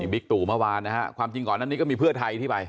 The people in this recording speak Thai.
บิ๊กตู่เมื่อวานนะฮะความจริงก่อนนั้นนี้ก็มีเพื่อไทยที่ไป